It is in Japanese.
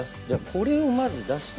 これをまず出して。